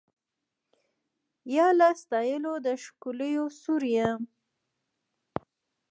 یا له ستایلو د ښکلیو سوړ یم